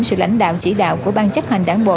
sự lãnh đạo chỉ đạo của ban chấp hành đảng bộ